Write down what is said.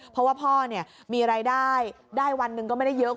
เพราะว่าพ่อมีรายได้ได้วันหนึ่งก็ไม่ได้เยอะ